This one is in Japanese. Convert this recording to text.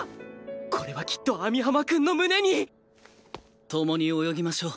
これはきっと網浜くんの胸に共に泳ぎましょう。